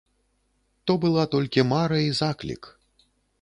То была толькі мара і заклік.